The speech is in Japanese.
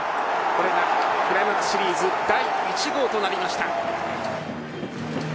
これがクライマックスシリーズ第１号となりました。